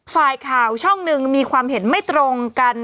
ฝ่ายข่าวช่องหนึ่งมีความเห็นไม่ตรงกัน